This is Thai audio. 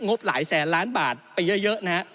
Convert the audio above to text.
บหลายแสนล้านบาทไปเยอะนะฮะ